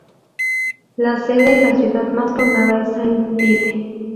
La sede y ciudad más poblada es Saint-Tite.